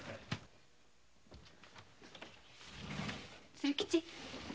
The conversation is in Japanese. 鶴吉。